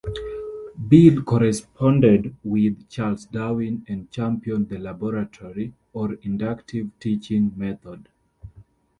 Beal corresponded with Charles Darwin and championed the laboratory, or "inductive", teaching method.